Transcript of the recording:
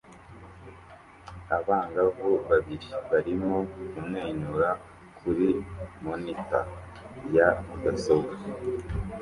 Abangavu babiri barimo kumwenyura kuri monitor ya mudasobwa